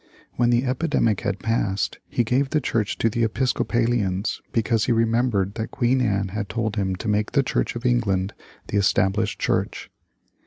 When the epidemic had passed, he gave the church to the Episcopalians, because he remembered that Queen Anne had told him to make the Church of England the established church.